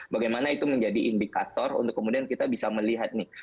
bagaimana itu menjadi indikator untuk kemudian kita bisa melihat nih